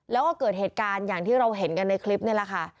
แล้วก็เกิดเหตุการณ์อย่างที่เราเห็นกันในคลิปนี่แหละค่ะ